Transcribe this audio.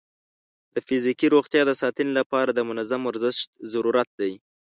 د فزیکي روغتیا د ساتنې لپاره د منظم ورزش ضرورت دی.